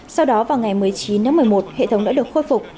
sau đó vào ngày một mươi chín tháng một mươi một hệ thống đã được khôi phục